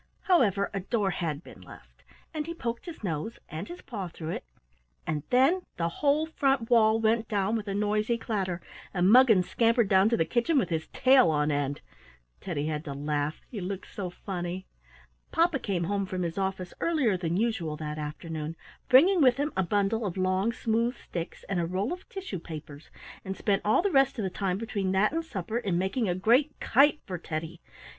However, a door had been left, and he poked his nose and his paw through it, and then the whole front wall went down with a noisy clatter, and Muggins scampered down to the kitchen with his tail on end. Teddy had to laugh; he looked so funny. Papa came home from his office earlier than usual that afternoon, bringing with him a bundle of long, smooth sticks and a roll of tissue papers, and spent all the rest of the time between that and supper in making a great kite for Teddy.